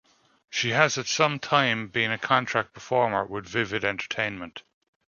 She has at some time been a contract performer with Vivid Entertainment.